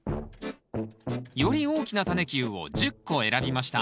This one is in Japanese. より大きなタネ球を１０個選びました。